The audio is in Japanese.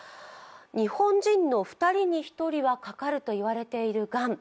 日本人の２人に１人はかかると言われているがん。